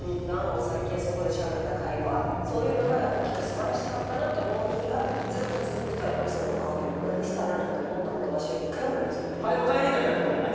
お酒そこでしゃべった会話そういうのがやっぱ今日素晴らしかったなと思う日がずっと続くとやっぱりそれを「今日無駄にしたな」なんて思った事わしは一回もないですもん。